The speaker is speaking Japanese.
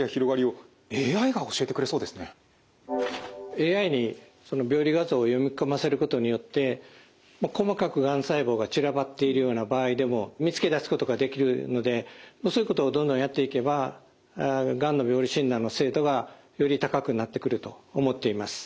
ＡＩに病理画像を読み込ませることによって細かくがん細胞が散らばっているような場合でも見つけ出すことができるのでそういうことをどんどんやっていけばがんの病理診断の精度がより高くなってくると思っています。